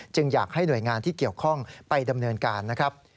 อยากให้หน่วยงานที่เกี่ยวข้องไปดำเนินการนะครับ